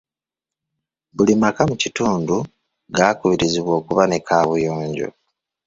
Buli maka mu kitundu gakubirizibwa okuba ne kaabuyonjo